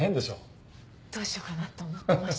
どうしようかなと思ってました。